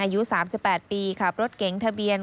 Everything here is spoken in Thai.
อายุ๓๘ปีขับรถเก๋งทะเบียน